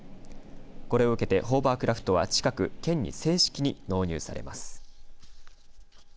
これを受けてホーバークラフトは近く、県に正式に納入されます。